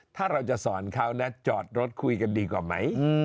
ถ้าเราจะสอนเขานะจอดรถคุยกันดีกว่าไหม